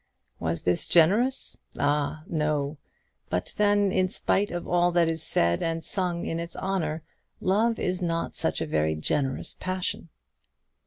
Was this generous? Ah, no. But then, in spite of all that is said and sung in its honour, love is not such a very generous passion.